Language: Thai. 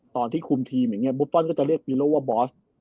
ตอนที่คุมทีมมุฟฟ้อนก็จะเรียกฟีโลกว่าบอส